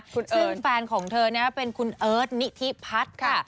คุณเอิร์ดซึ่งแฟนของเธอนี่เป็นคุณเอิร์ดนิธิพัฒน์ค่ะ